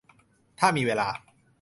ถ้ามีเวลา